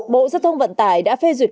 bộ giao thông vận tải đã phê duyệt